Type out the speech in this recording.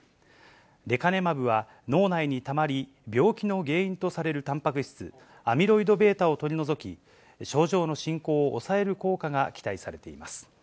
レカネマブは脳内にたまり、病気の原因とされるたんぱく質、アミロイドβを取り除き、症状の進行を抑える効果が期待されています。